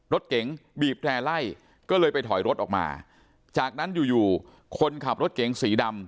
รถเก๋งบีบแร่ไล่ก็เลยไปถอยรถออกมาจากนั้นอยู่อยู่คนขับรถเก๋งสีดำ